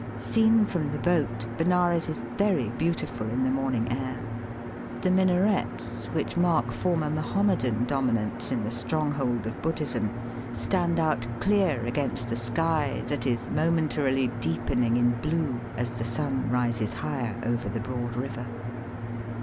Seen from the boat Benares is very beautiful in the morning air. The minarets, which mark former Mahomedan dominance in the stronghold of Buddhism, stand out clear against the sky, that is momentarily deepening in blue as the sun rises higher over the broad river.